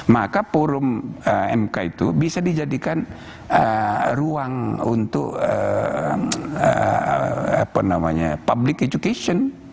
maka forum mk itu bisa dijadikan ruang untuk public education